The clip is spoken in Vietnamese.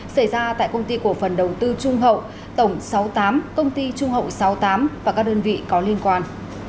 xảy ra tại công ty cổ phần đầu tư trung hậu tổng sáu mươi tám công ty trung hậu sáu mươi tám và các đơn vị có liên quan